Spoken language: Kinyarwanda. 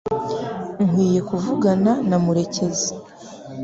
Nkwiye kuvugana na murekezi